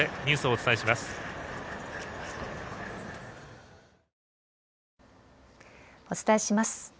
お伝えします。